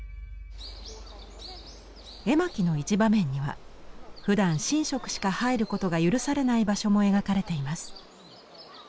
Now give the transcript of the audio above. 絵巻の一場面にはふだん神職しか入ることが許されない場所も描かれています。